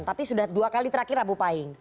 tapi sudah dua kali terakhir rabu pahing